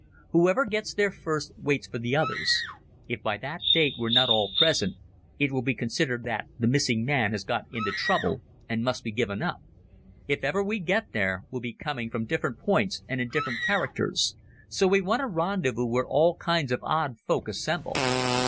Whoever gets there first waits for the others. If by that date we're not all present, it will be considered that the missing man has got into trouble and must be given up. If ever we get there we'll be coming from different points and in different characters, so we want a rendezvous where all kinds of odd folk assemble.